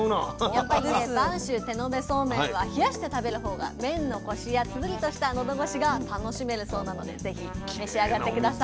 やっぱりね播州手延べそうめんは冷やして食べるほうが麺のコシやつるりとしたのどごしが楽しめるそうなのでぜひ召し上がって下さい。